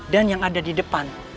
dan yang ada di depan